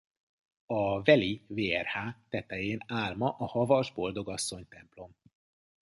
A Veli vrh tetején áll ma a Havas boldogasszony templom.